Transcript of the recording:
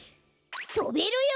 とべるよ！